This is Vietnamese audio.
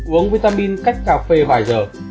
uống vitamin cách cà phê vài giờ